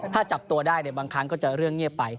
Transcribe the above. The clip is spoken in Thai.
ถ้าจับตัวได้บางครั้งก็จะเรื่องเงียบไป